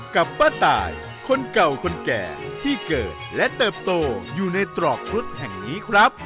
กับป้าตายคนเก่าคนแก่ที่เกิดและเติบโตอยู่ในตรอกครุฑแห่งนี้ครับ